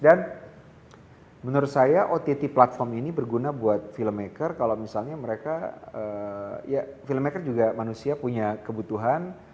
dan menurut saya ott platform ini berguna buat filmmaker kalau misalnya mereka ya filmmaker juga manusia punya kebutuhan